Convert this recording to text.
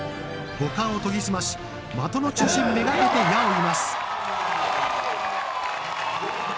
五感を研ぎ澄まし的の中心目がけて矢を射ます。